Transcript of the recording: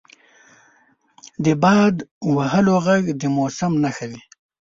• د باد وهلو ږغ د موسم نښه وي.